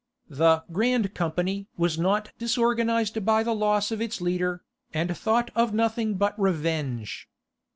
The "Grand Company" was not disorganized by the loss of its leader, and thought of nothing but revenge.